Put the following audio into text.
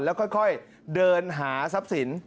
แล้วค่อยเดินหาทรัพย์สิน